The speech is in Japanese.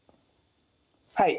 はい。